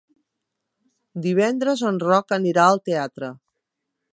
Divendres en Roc anirà al teatre.